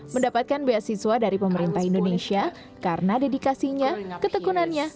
mendapatkan beasiswa dari pemerintah indonesia karena dedikasinya ketekunannya